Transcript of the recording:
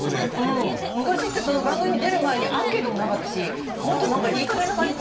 昔って番組出る前にアンケートもなかったしもっとなんかいいかげんな感じ。